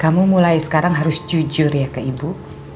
kamu mulai sekarang harus jujur ya ke ibu